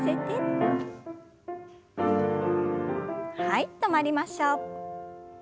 はい止まりましょう。